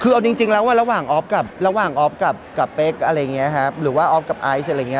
คือเอาจริงแล้วว่าระหว่างออฟกับระหว่างออฟกับเป๊กอะไรอย่างนี้ครับหรือว่าออฟกับไอซ์อะไรอย่างนี้